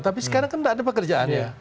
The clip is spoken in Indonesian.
tapi sekarang kan tidak ada pekerjaannya